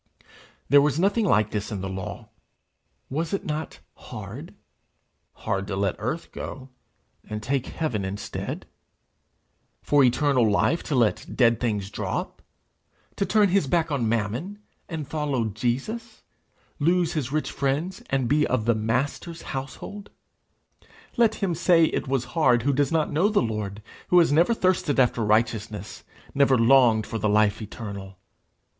There was nothing like this in the law: was it not hard? Hard to let earth go, and take heaven instead? for eternal life, to let dead things drop? to turn his hack on Mammon, and follow Jesus? lose his rich friends, and he of the Master's household? Let him say it was hard who does not know the Lord, who has never thirsted after righteousness, never longed for the life eternal!